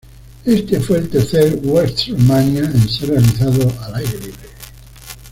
Este fue el tercer "WrestleMania" en ser realizado al aire libre.